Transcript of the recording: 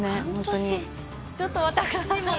ちょっと私。